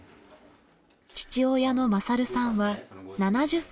父親の優さんは７０歳。